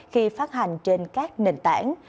khi phát hành trên các nền tảng